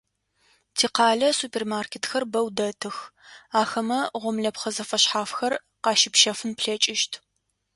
Тикъалэ супермаркетхэр бэу дэтых, ахэмэ гъомлэпхъэ зэфэшъхьафхэр къащыпщэфын плъэкӏыщт.